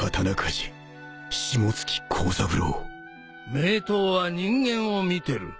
名刀は人間を見てる。